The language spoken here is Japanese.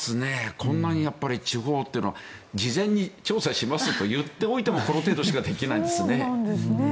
こんなに地方っていうのは事前に調査しますと言っておいてもこの程度しかできないんですね。